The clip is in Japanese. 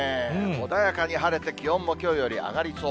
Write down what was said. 穏やかに晴れて、気温もきょうより上がりそう。